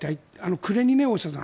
暮れに大下さん